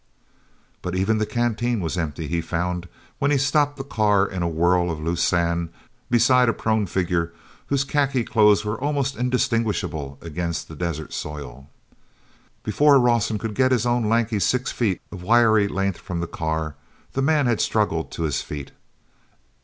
But even the canteen was empty, he found, when he stopped the car in a whirl of loose sand beside a prone figure whose khaki clothes were almost indistinguishable against the desert soil. Before Rawson could get his own lanky six feet of wiry length from the car, the man had struggled to his feet.